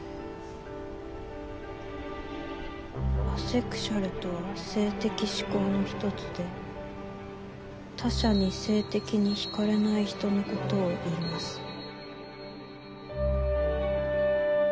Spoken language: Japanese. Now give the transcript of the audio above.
「アセクシュアルとは性的指向の一つで他者に性的に惹かれない人のことをいいます」。